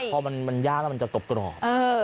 พอมันย่างมันจะตบกรอบ